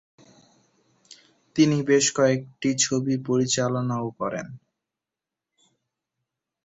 তিনি বেশ কয়েকটি ছবি পরিচালনাও করেন।